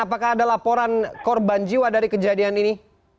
apakah ada laporan korban jiwa dari kejadian ini